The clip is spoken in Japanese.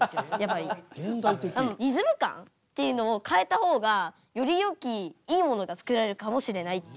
リズム感っていうのを変えた方がよりよきいいものが作られるかもしれないっていう。